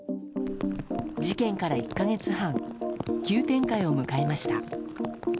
事件から１か月半急展開を迎えました。